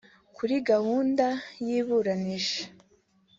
Kuri gahunda y’iburanisha